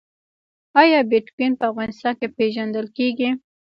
آیا بټکوین په افغانستان کې پیژندل کیږي؟